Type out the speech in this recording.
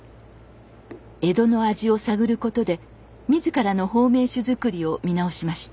江戸の味を探ることで自らの保命酒づくりを見直しました。